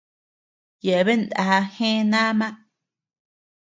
Yebean naa jee naama.